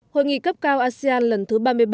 hội nghị cấp cao asean lần thứ ba mươi ba